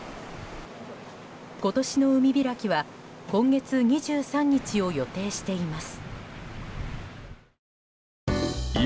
今年の海開きは今月２３日を予定しています。